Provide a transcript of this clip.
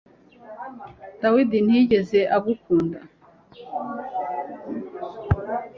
David ntiyigeze agukunda